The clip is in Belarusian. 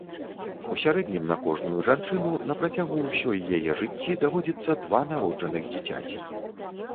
У сярэднім на кожную жанчыну на працягу ўсёй яе жыцці даводзіцца два народжаных дзіцяці.